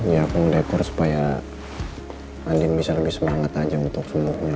ya aku dekor supaya andin bisa lebih semangat aja untuk semuanya